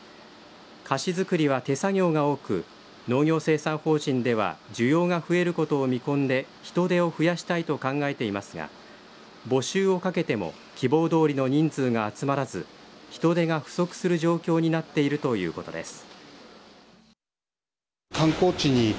菓子作りは手作業が多く農業生産法人では需要が増えることを見込んで人手を増やしたいと考えていますが募集をかけても希望どおりの人数が集まらず人手が不足する状況になっているということです。